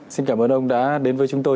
xin cảm ơn ông đã đến với chúng tôi